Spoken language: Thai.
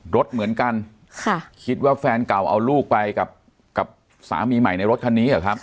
รถเหมือนกันค่ะคิดว่าแฟนเก่าเอาลูกไปกับสามีใหม่ในรถคันนี้เหรอครับ